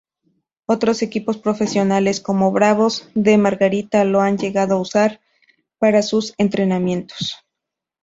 Otros equipos profesionales como Bravos de Margarita lo han llegado usar para sus entrenamientos.